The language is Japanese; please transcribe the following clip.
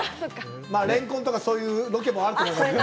レンコンとかそういうロケもあると思います。